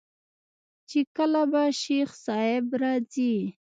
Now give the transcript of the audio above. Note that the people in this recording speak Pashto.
چې کله به شيخ صاحب راځي.